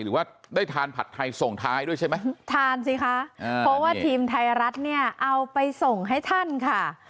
หรือว่าได้ทานผัดไทยส่งท้ายด้วยใช่ไหมทานสิคะเพราะว่าทีมไทยรัฐเนี่ยเอาไปส่งให้ท่านค่ะ